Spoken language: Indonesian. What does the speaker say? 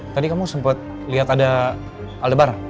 dulu kau sempet liat ada aldebar